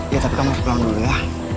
ya tapi kamu sekarang dulu ya